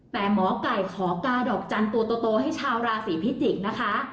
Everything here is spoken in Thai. แต่หมอไก่ขอกาดอกจันทร์ตัวโตให้ชาวราศีพิจิกษ์นะคะ